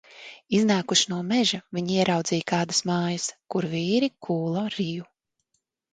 Iznākuši no meža, viņi ieraudzīja kādas mājas, kur vīri kūla riju.